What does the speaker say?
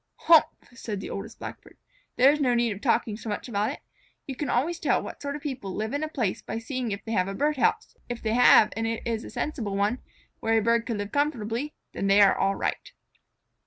"Humph!" said the Oldest Blackbird. "There is no need of talking so much about it. You can always tell what sort of people live in a place by seeing if they have a bird house. If they have, and it is a sensible one, where a bird could live comfortably, they are all right."